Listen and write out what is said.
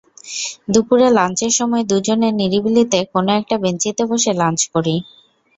দুপুরে লাঞ্চের সময় দুজনে নিরিবিলিতে কোনো একটা বেঞ্চিতে বসে লাঞ্চ করি।